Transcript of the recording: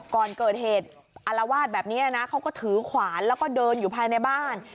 ก่อนเกิดเหตุอารวาสแบบนี้นะเขาก็ถือขวานแล้วก็เดินอยู่ภายในบ้าน